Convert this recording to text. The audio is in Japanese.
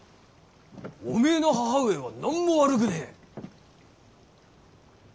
おめぇの母上は何も悪くねぇ。